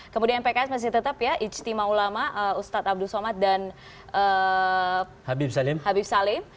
kemudian pks masih tetap ya ijtima ulama ustadz abdul somad dan habib salim